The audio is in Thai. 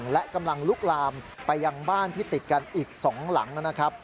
และกำลังลุกลามไปยังบ้านที่ติดกันอีก๒หลังนะครับ